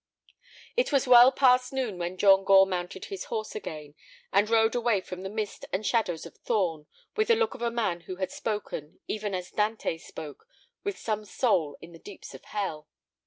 It was well past noon when John Gore mounted his horse again, and rode away from the mist and shadows of Thorn, with the look of a man who had spoken, even as Dante spoke, with some soul in the deeps of hell.